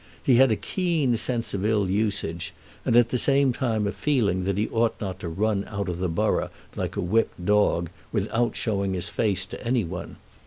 He had a keen sense of ill usage, and at the same time a feeling that he ought not to run out of the borough like a whipt dog, without showing his face to any one.